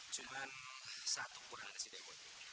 cuma satu kurangan dari si dewo ini